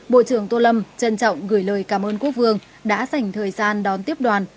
bộ trưởng tô lâm trân trọng gửi lời cảm ơn quốc vương đã dành thời gian đón tiếp đoàn